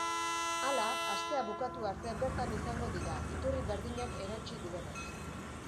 Hala, astea bukatu arte bertan izango dira, iturri berdinak erantsi duenez.